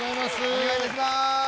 お願いいたします。